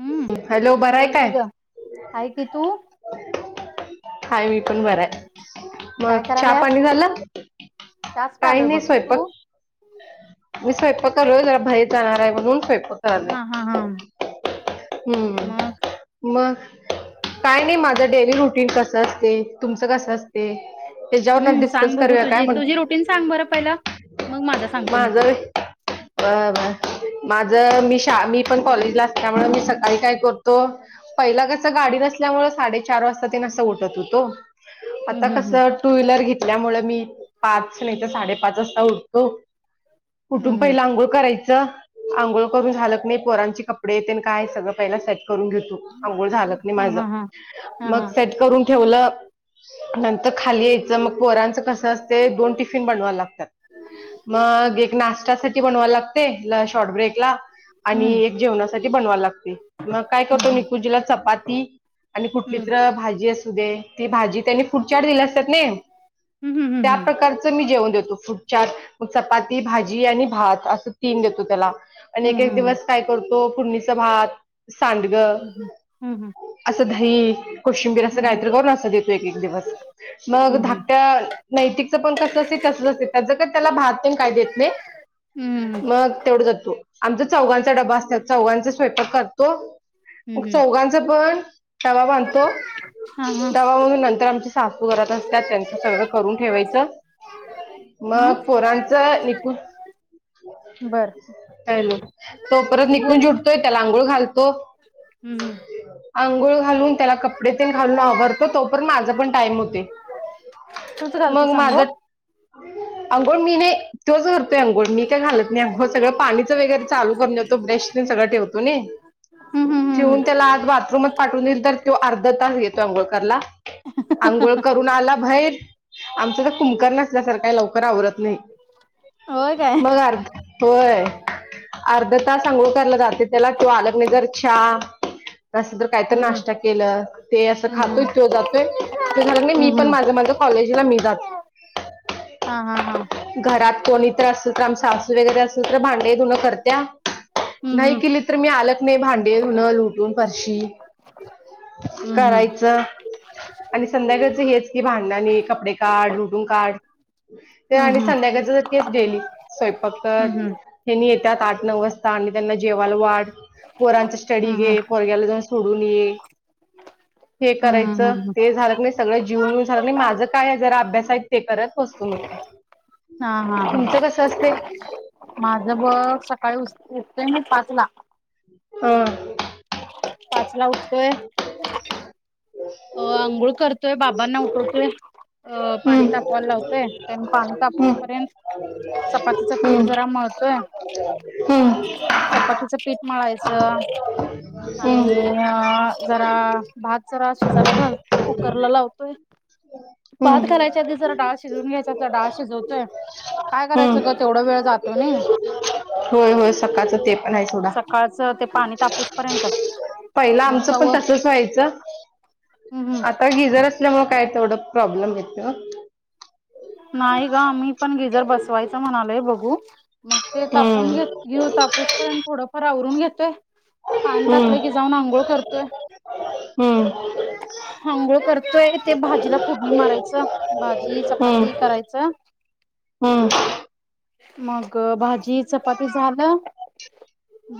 हम्म. हॅलो, बराय बोल की कायं. ग आहे की तू हाय मी पण बराय, काय मग चहा करायल्यास पाणी झालं. चहाच प्यालोय काही बघ नाही तू? स्वयंपाक. मी स्वयंपाक करालों, जरा बाहेर जाणार आहे म्हणून स्वयंपाक. करालोय. हा हा हा.. हम्म.. मग मग काय नाही, माझं डेली रुटीन कसं असतंय. तुमचं कस असते, तेच्यावरन हम्म सांग डिस्कस बघू करूया काय तुझी तुझी म्हणलं. रुटीन सांग बरं पहिला. मग माझा, सांगतो मी तुला. बर बर माझ मी शा, मी पण कॉलेजला असल्यामुळे मी सकाळी काय करतो. पहिला कसं गाडी नसल्यामुळे, साडेचार वाजता तेन असं उठत होतो. आता हम्म हम्म हम्म कसं टू व्हीलर घेतल्यामुळे, मी पाच नाही तर साडेपाच वाजता उठ हो कुठून हम्म हम्म पहिला आंघोळ करायचं, आंघोळ करून झालत कि नाही पोरांची कप कपडे तेन काय, सगळं पहिला सेट. करून घेतो. अंघोळ झालं कणी हा माझं हा हा हा मग हा सेट करून ठेवलं. नंतर खाली यायचं मग, पोरांचं कसं असते दोन टिफिन बनवायला लागत्यात. मग एक नाष्ट्यासाठी बनवाय लागते, शॉर्ट ब्रेकला आणि हम्म एक जेवणा बनवायला लागते, मग काय करतो हम्म मी कुंजीला चपाती कुठली हम्म तर भाजी. असू दे ती, भाजी त्यांनी फूड चार्ट दिली असत्यात नी. हम्म हम्म त्या हम्म प्रकारच मी जेवण देतो. फूड चात चपाती भाजी आणि भात असं, तीन देतो त्याला आणि एक एक हम्म हम्म दिवस काय कर तो फोडणीचा भात, सांडग हम्म हम्म असं दही. कोशिंबीर असं हम्म हम्म काहीतरी करून, असं देतोय एक एक दिवस. मग हम्म धाकट्या नैतिकच पण कसं असतं, तसंच असतं ते ज त्याला भात तेन काय देत नाही. हम्म. तेवढ जातो आमचा चौघांचा डबा असत्यात, चौघांचा स्वयंपाक करतो. मग हम्म चौघांचा पण डबा बांधतो, हा हा डबा बांधून नंतर आमच्या सं सासू घरात असत्यात, त्यांचं सगळं करून ठेवायचं. हा मग पोराणच निकुण. बर हॅलो, तो परत निघ बोल की उठतो त्याला अंघोळ घालतो. हम्म हम्म आंघोळ घालून त्याला कपडे तेन घालून आवरतो. तो पर्यंत माझा पण टाइम होतंय. तूच मग घालतीस माझं, अंघोळ अंघोळ मी नाही. तोच करतोय अंघोळ, मी काय घालत नाही. अंघोळ सगळं पाणीचं वगैरे चालु करु देतो ब्रश. तेन सगळं ठेवतो नी. हम्म हम्म हम्म ठेवून त्याला हम्म आत बाथरूमात पाठवून देईल, तर तो अर्धा तास घेतो अंघोळ करायला. आंघोळ करून आला बाहेर, आमचं तर कुंभकरण असल्यासारखं आहे लवकर आवरत नाही. होय काय मग अर्धा होय. अर्धा तास अंघोळ. कर ला जाते त्याला तो आल की जर चहा. असं तर काय तर हम्म नाश्ता केलं, ते असं हम्म खातोय तो जातोय. त झालं हम्म मी हम्म पण माझं माझ्या कॉलेजला मी जातो. हा हा हा. घरात कोणीत असल तर आम सासू वगैरे असेल तर भांडे धुन करत्या. हम्म नाही केली तर मी आलं क नाही भांडी, धुणं लोटून, फरशी. हम्म हम्म करायचं. आणि संध्याकाळच हेच की भांड ने कपडे काढ लुटून काढ. ते हम्म आणि हम्म संध्याकाळच तेच डेली स्वयंपाक कर. हम्म हेनी येतात आठ, नऊ वाजता आणि त्यांना जेवायला वाढ पोरांच स्टडी हम्म घे, पोरग्याला जाऊन सोडून ये. हे हम्म हम्म करायचं हम्म ते झालं की नाही सगळं जीऊन बिऊन झाल की नाही आणि माझं काय जरा अभ्यास आहे ते करत बसतो मी काय. हा हा हा तुमचं कसं असतंय? माझं बघ सकाळी उ उठतेय मी पाच ला. अ. पाच ला उठतोय. [inaudible] अ आंघोळ करतोय बाबांना उठवतोय. अ पाणी हम्म तापवायला लावतोय त्यांनी पाणी तापूस हम्म पर्यंत चपातीचं पीठ जरा मळतोय. हंम्म. चपातीचं पीठ मळायचं. आणि हम्म अ जरा भात जरा शिज त्याला घाल कुकर ला लावतोय. भात हम्म घालायच्या आधी जरा डाळ शिजवून घ्यायच असलं तर डाळ शिजवतोय. काय करायचं ग हम्म तेवढा वेळ जातो नाही. होय होय सकाळचं ते पण आहे सोडा सकाळचं ते पाणी तापूस पर्यंत. पहिलं मग आमचं पण तसच व्हायचं. हंम्म. हंम्म. आता गिझर असल्यामुळे काय तेवढं प्रॉब्लेम येतय ओ. नाही ग आम्ही पण गिझर बसवायचं म्हणालोय बघू मग ते तापून हम्म घेत घेऊ तापूस पर्यंत थोडंफार आवरून घेतोय पाणी हम्म तापलं की जाऊन आंघोळ करतोय. हम्म. हांगोळ करतोय ते भाजीला फोडणी मारायचं भाजी चपा हम्म करायच हम्म मग भाजी जी चपाती झालं.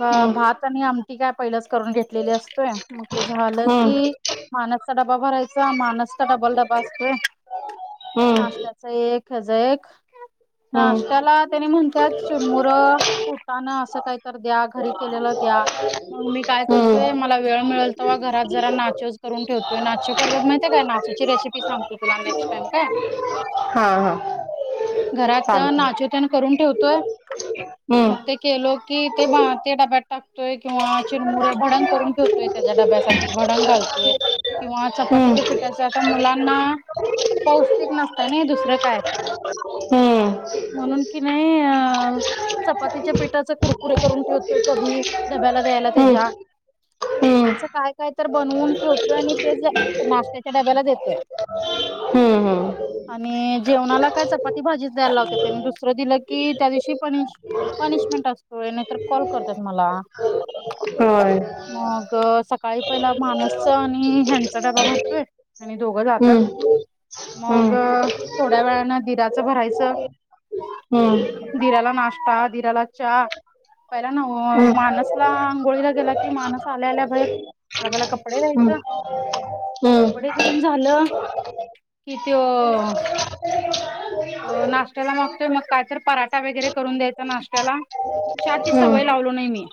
ब हम्म भात आणि आमटी काय पहिलंच करून घेतलेली असतोय मग ते झालं हम्म की मानसचा डबा भरायचा मानसचा डबल डबा असतोय हम्म नाश त्याच एक ह्याचा एक हम्म नाष्टयाला त्यांनी म्हणत्यात चुरमुर, फुटाणं असं काहीतरी द्या ग घरी केलेलं द्या मग मी काय हम्म करतोय मला वेळ मिळेल तवा घरात जरा नाचूज करून ठेवतोय नाचू करतात माहितय काय? नाचूची रेसिपी सांगतो तुला नेक्स्ट टाइम काय? हा. हा. घरात चालतंय नाचू तेन करून ठेवतोय हम्म मग ते केलो की ते भां डब्यात. टाकतोय किंवा चिरमुरे भडंग करून ठेवतोय त्याच्या डब्यासाठी भडंग घालतोय. किंवा चपातीच्या हम्म पिठाच पण मुलांना पौष्टिक नस ते नाही दुसरं काय हम्म म्हणून की नाही अ. चपातीच्या पिठाचे कुरकुरे करून ठेवतोय कधी, डब्याला द्यायला हम्म त्याच्या. हम्म [unintelligible] काय काय तर बनवून ठेवतोय आणि तेच नाश्त्याच्या डब्याला देतोय. हम्म हम्म आणि जेवणाला काय चपाती भाजीच द्यायला लावत्याती, आणि दुसरं दिलं की त्या दिवशी पण हेची पनिशमेंट असतोय नाहीतर कॉल करतात मला. होय मग सकाळी पहिला मानसच आणि ह्यांचा डबा भरतोय. हे नी दोघं जातत्यात हम्म मग. हम्म अ. थोड्या वेळानं दिराचं भरायचं. हम्म दिराला नाष्टा दिराला च पहिला ना हम्म मानसला आंघोळीला गेला कि मानस आल्या आल्या बाहेर. बाबाला कपडे हम्म द्यायचं, हम्म कपडे देऊन झालं कि त्यो नाशत्याला मागतोय मग काय तर पराठा वगैरे करून द्यायचा नाश्त्याला, चाची हम्म सवय लावलो नाही मी.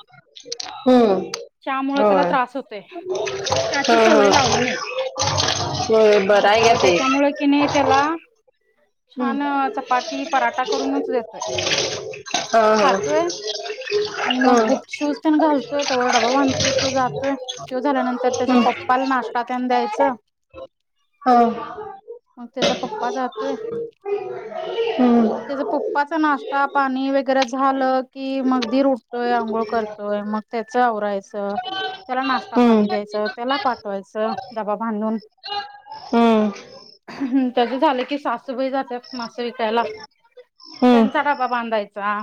हम्म चा मुळं त्याला होय त्रास होतोय. चाची सवय हं हं लावलो नाही. होय बरं मग आहे का ते त्याच्यामुळे की नाही त्याला हम्म छान चपाती पराठा करूनच देतोय. हा हा. खातोय आणि मग हम्म बुट शूज तेन घालतोय, तवर डबा बांधतोय तो जातोय. ज्यो झाल्यानंतर त्याच्या पप्पाला नाश्ता तेन द्यायचं. हो. मग त्याचा पप्पा जातोय. हम्म. त्याच पप्पाच नाश्ता पाणी वगैरे झालं की, मग दीर उठतोय आंघोळ कर होय मग त्याच आवराायचं. त्याला नाश्ता पाणी द्यायचं, त्याला हम्म पाठवायचं डबा बांधून. हम्म त्याचं झालं की सास सुभई जात्यात मासं विकायला, हम्म त्यांचा डाबा बांधायचा.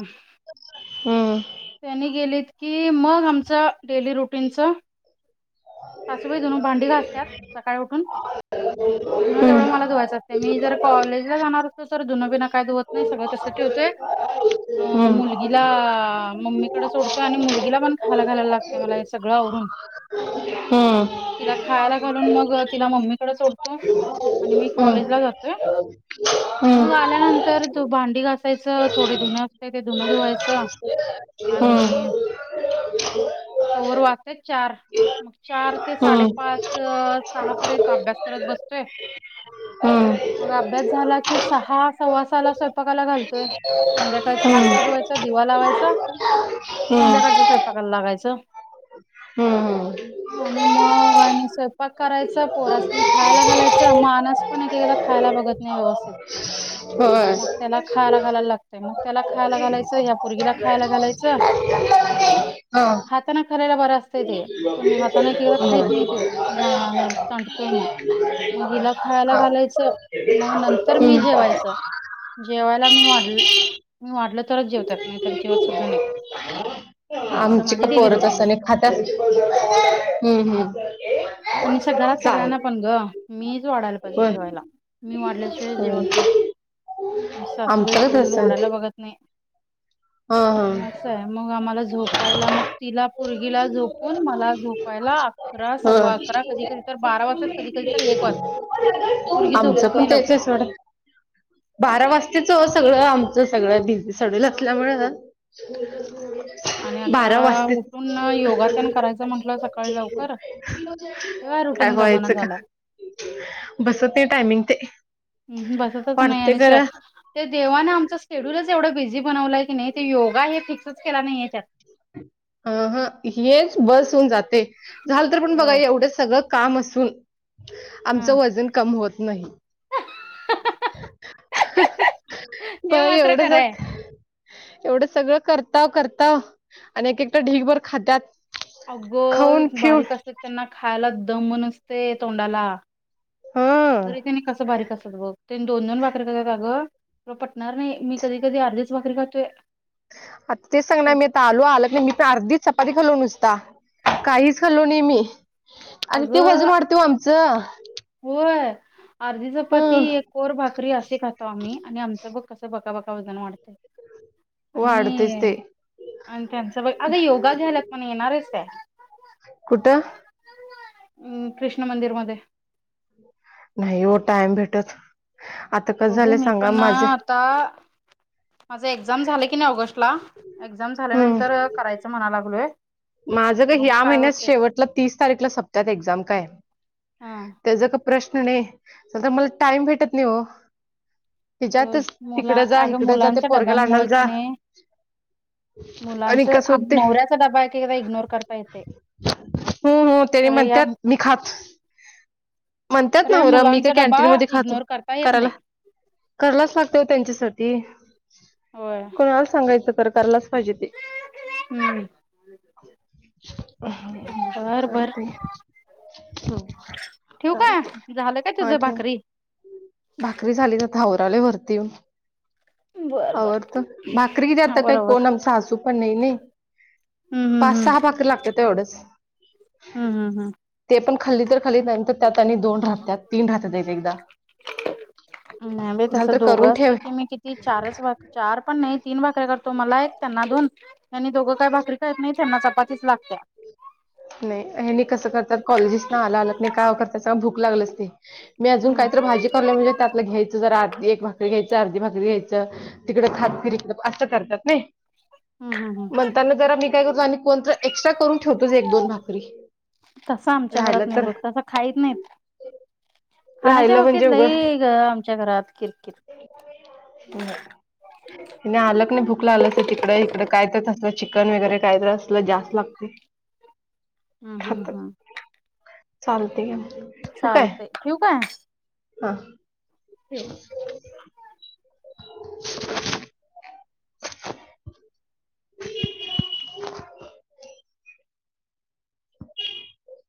हम्म. त्यांनी गेलेत की, मग आमच डेली रुटीनचं सासुबाई धून भांडी घासतात, सकाळी उठून धुनं तेवढं मला हम्म धुवायच असतंय, मी जर कॉलेजला जाणार असेल तर धुणं बिना काही धुवत नाही, सगळं तसंच ठेवतोय. अ हम्म मुलगीला मम्मी तिकडं सोडतो आणि मुलगीला पण खायला घालायला लागतं मला हे सगळं आवरून. [inaudible] हम्म. तिला खायला घालून मग तिला मम्मीकडे सोडतो आणि मी कॉलेजला जातोय. हम् मग आल्यानंतर तो भांडी घासायचं, थोडे धुनं असतंय ते धुनं धुवायचं. हम्म आणि तोवर वाचतेत चार. मग चार ते साडेपाच, सहापर्यंत अभ्यास करत बसतंय. हम्म मग अभ्यास झाला की, सहा सव्वासाला स्वयंपाकाला घालतोय. हम्म संध्याकाळचं हात पाय हम्म धुवायचा, दिवा लावायचा. संध्याकाळच्या स्वयंपाकायला लागायचं. हम्म हं. आणि मग आणि स्वयंपाक करायचा, पोरासनी खायला घालायचं मानस पण एक एकदा खायला बघत नाही व्यवस्थित. होय मग त्याला खायला घालायला लागतंय. मग त्याला खायला घालायचं, ह्या पुर्गीला खायला घालायचं. हा हातानं खाल्लेलं बर असतंय ते, पुन्हा हात हाताने [unintelligible] खाईत नाही हम्म त्यो मग सांडतोय मग. मग हिला खायला घालायचं, मग नंतर मी जेवायचं. जेवायला मी वाढ मी वाढलं तरच जेवत्यात, नाहीतर जेवतसुद्धा नाहीत. [unintelligible] आमची का पोर रुटीन तसं आहे नाही खात्यात, हम्म हम्म. आणि सग घरात चालेल सगळ्यांना पण गं मीच वाढायला पाहिजे होय जेवायला. मी वाढल्याशिवाय जेवत होय नाहीत. आमची सासूबाई आमच्याकच पुढेे होऊन असेल वाढायला बघत नाही. हा हा मग असं आहे, मग आम्हाला झोप पहिला मग तिला पोरगीला झोपून मला झोपायला, अकरा हा सव्वा अकरा कधी कधीतर तर बारा वाजताात, कधी कधी तर एक वाजत्यात. आमचं पण तेच हाय सोड. बारा वाजताच सगळं आमचं सगळं बिझी सडल. असल्यामुळं आणि आता उठून योग तेन करायचं म्हंटलं सकाळी लवकर. त्यो काय रुटीन जमना व्हायचं का झालाय. बसत नाही टायमिंग ते. अंह बसतच नाही वाटते आणि सर खरं ते देवानें आमचं शेड्यूलच एवढं बिझी बनवलंय की नाही, ते योगा हे फिक्सच केला नाहीये त्यात. हा हा हेच बस होऊन जातेय,, झाल तर पण त्यात बघा एवढं सगळं काम असून. आमचं हा. वजन कम होत नाही. हे बर मात्र एवढं खरं आहे. सग एवढं सगळं करताव करताव. आणि एक एकदा ढीगभर खात्यात. खाऊन अगं पिऊन बारीक असत्यात त्यांना खायला दम नसतंय तोंडाला. हा अरे त्यानी कसं बारीक असतात बघ, त्यांनी दोन दोन भाकरीे खात्यात अगं तुला पटणार नाही, मी कधी कधी अर्धीच भाकरी खातोय. आता तेच सांग ना क- मी आता आलो, आलं का नाही मी तर अर्धी चपाती खाल्लो नुसता. काहीच खाल्लो नाही मी आन ती अगं वजन वाढतंय ओ आमचं. होय अर्धी चपाती हं एक कोर भाकरी असे खातो आम्ही आणि आमचं बघ कसं बका बका वजन वाढतंय. वाढतेच आणि ते आणि त्यांचं बघ, अग योगा घ्यायल्यात म्हणे येणार हायस काय? कुठं? अं कृष्ण मंदिरमध्ये. नाही ओ टाइम भेटत, आता कसं झालंय सांगा माझं ता माझं एक्झाम झाले की नाही ऑगस्टला, एक्झाम हम्म झाल्यानंतर करायचं म्हणाय लागलोय. माझं काय बघू या महिन्यात होते शेवटला तीस तारीखला सपत्यात एक्झाम काय. हा त्याचा का प्रश्न नाही, सध्या मला टाईम भेटत नाही हो. तेच्यातच मुला तिकडं जा, अगं हिकडं जा त्या मुलांच्या पोरग्याला डब्यांमुळे आणायला कि जा. नाही आणि मुलांच कसं हुतंय नवऱ्याचा डबा एकेकदा इग्नोर करता येतंय, हो हो त्याने खर या म्हणतात मी खात, म्हणतात खर या नवरं मी काय मुलांचा डबा कॅन्टीन मध्ये खातो इग्नोर करता येत करायला. नाही करालाच लागत ओ त्यांच्यासाठी, होय कोणाला सांगायचं तर करायलाच फजिती हम्म. हम्म, बर बर चालतंय. हं ठेवू का चालते झालं काय हा तुझं ठेव. भाकरी भाकरी झालीत आता आवरायलोय वरती येऊन. बर बर आवरतं. भाकरी किती आता आवर काही आवर कोण सासू पण नाही नाही. हम्म पाच हम्म सहा भाकरी लागत्यात एवढंच. हम् हम् हम्. ते पण खाल्ली तर खाली, नंतर त्यात आणि दोन राहत्यात तीन राहत्यात एक एकदा. नाही बाई झालं तसं तर करून दोघं असलं ठेव की मी किती चारच भाक चारपण नाही तीन भाकऱ्या करतो, मला एक त्यांना दोन. ह्यांनी दोघं काही भाकरी खाईत नाहीत, ह्यांना चपातीच लागत्या. नाही हेनी कसं करत कॉलेजेस ना आला आल की काय करत साग भूक लागलच ते. मी अजून हम्म काहीतर भाजी करालोय म्हणजे, त्यातल घ्यायचं जरा एक भाकरी घ्यायचं अर्धी भाकरी घ्यायचं. तिकडं हम्म हात फिरवीत नी, असा करत्यात नी. हम् हम् हम्. त्यांना जरा मी काय करतो आणि कोणतर एक्स्ट्रा करून ठेवतोच एक दोन भाकरी. तसं आमच्या राहिलं घरात नाही तर बघ, तसं खाईत नाहीत. खाण्याच्या राहिलं बाबतीत, म्हणजे लै गं आमच्या घरात किरकिर. ह [unintelligible] हेनी आलं कणी भूक लागलेल असतं, तिकडे हिकडं काय तर तसलं चिकन वगैरे काय जास्त लागते. हम् हम् खातात हम. चालते की. चालतंय ठेऊ काय. हा. [unintelligible] [inaudible] [inaudible]